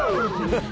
ハハハ。